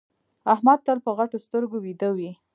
احمد تل په غټو سترګو ويده وي.